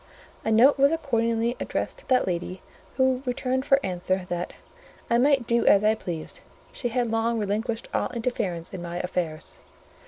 A note was accordingly addressed to that lady, who returned for answer, that "I might do as I pleased: she had long relinquished all interference in my affairs."